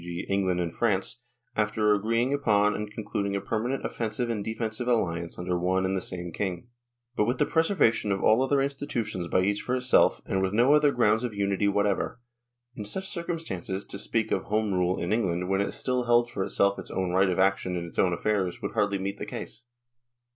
g., England and France after agreeing upon and concluding a permanent offensive and defensive alliance under one and the same king ; but with the preservation of all other institutions by each for itself, and with no other grounds of unity THE ACT OF UNION 27 whatever ; l in such circumstances, to speak of " Home Rule " in England when it still held for itself its own right of action in its own affairs, would hardly meet the case.